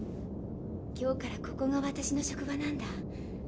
今日からここが私の職場なんだ。